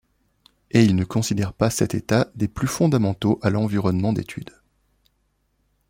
Et ils ne considèrent pas cet état des plus fondamentaux à l'environnement d'étude.